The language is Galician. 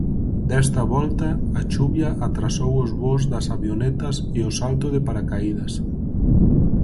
Desta volta, a chuvia atrasou os voos das avionetas e o salto de paracaídas.